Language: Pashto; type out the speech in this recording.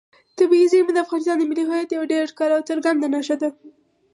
طبیعي زیرمې د افغانستان د ملي هویت یوه ډېره ښکاره او څرګنده نښه ده.